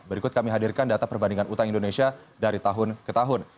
berikut kami hadirkan data perbandingan utang indonesia dari tahun ke tahun